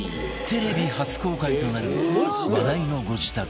テレビ初公開となる話題のご自宅